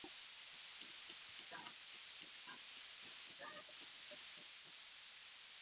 unaweza kututegea sikio ukiwa pale nairobi kupitia themanini na tisa